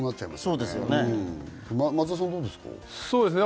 松田さん、どうですか？